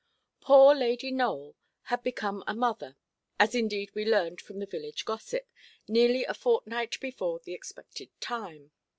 Poor Lady Nowell had become a mother, as indeed we learned from the village gossip, nearly a fortnight before the expected time.